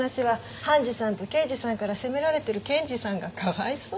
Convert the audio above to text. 判事さんと刑事さんから責められてる検事さんがかわいそう。